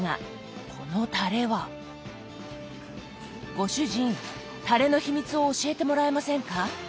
ご主人タレの秘密を教えてもらえませんか？